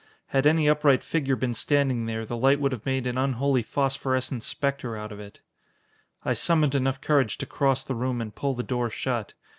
Had any upright figure been standing there, the light would have made an unholy phosphorescent specter out of it. I summoned enough courage to cross the room and pull the door shut.